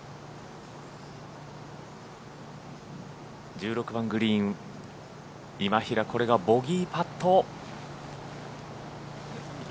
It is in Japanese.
１６番グリーン今平、これがボギーパット。